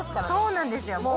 そうなんですよ。